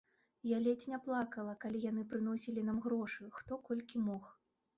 Я ледзь не плакала, калі яны прыносілі нам грошы, хто колькі мог.